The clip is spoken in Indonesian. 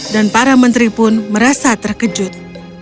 dan para menteri pun merasa terkesan